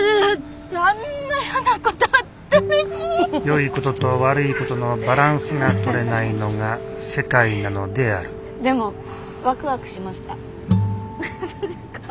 よいことと悪いことのバランスが取れないのが世界なのであるでもワクワクしました。